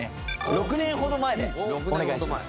６年ほど前でお願いします。